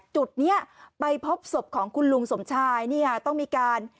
จุดนี้ไปพบศพของคุณลุงสมชายเนี่ยต้องมีการ